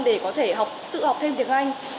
để có thể tự học thêm tiếng anh